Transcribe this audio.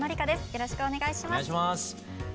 よろしくお願いします。